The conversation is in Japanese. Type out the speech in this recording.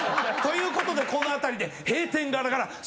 ということでこの辺りで閉店ガラガラ。